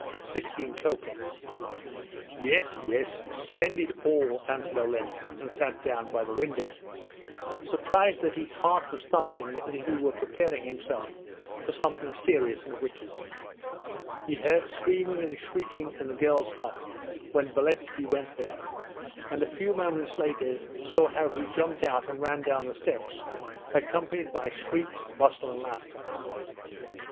It's sixteen kopeks.' 'Yes, yes, spend it all,' answered Olenin and sat down by the window, surprised that his heart was thumping as if he were preparing himself for something serious and wicked. He heard screaming and shrieking in the girls' hut when Beletski went there, and a few moments later saw how he jumped out and ran down the steps, accompanied by shrieks, bustle, and laughter.